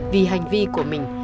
vì hành vi của mình